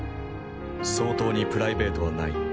「総統にプライベートはない。